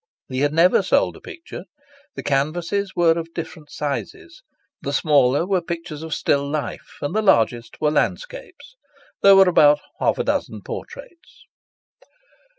He had never sold a picture. The canvases were of different sizes. The smaller were pictures of still life and the largest were landscapes. There were about half a dozen portraits.